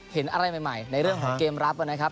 เห็นอะไรใหม่ในเรื่องของเกมรับนะครับ